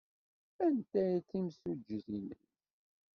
Anta ay d timsujjit-nnek?